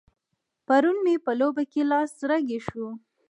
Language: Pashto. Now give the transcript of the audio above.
پرون مې په لوبه کې لاس رګی شو.